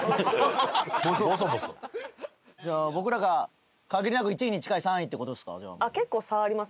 じゃあ僕らが限りなく１位に近い３位って事ですか？